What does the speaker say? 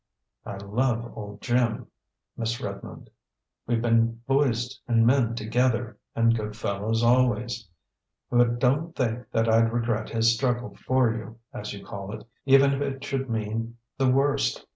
"I love old Jim, Miss Redmond. We've been boys and men together, and good fellows always. But don't think that I'd regret his struggle for you, as you call it, even if it should mean the worst.